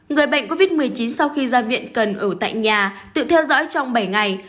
người bệnh covid một mươi chín sau khi ra viện cần ở tại nhà tự theo dõi trong bảy ngày